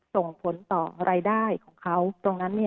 ส่งผลต่อรายได้ของเขาตรงนั้น